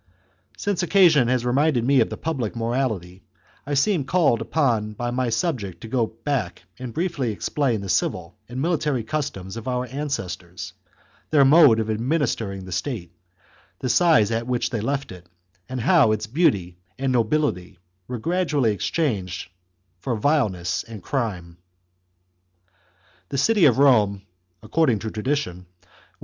Since occasion has reminded me of the public morality, I seemed called upon by my subject to go back and briefly explain the civil and military customs of our ancestors, their mode of administering the state, the size at which they left it, and how its beauty and nobility were gradually exchanged for vjle ness and crime. V The city of Rome, a6cording to tradition, was chap.